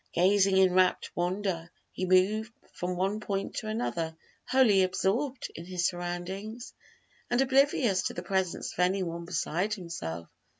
Gazing in rapt wonder, he moved from one point to another, wholly absorbed in his surroundings, and oblivious to the presence of any one beside himself.